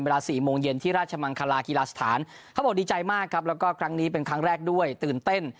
แล้วก็ครั้งนี้เป็นครั้งแรกด้วยตื่นเต้น